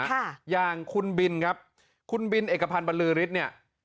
ค่ะอย่างคุณบินครับคุณบินเอกพันธ์บรรลือฤทธิ์เนี่ย